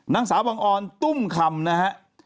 นางสาวบังออนตุ้มคำนะฮะ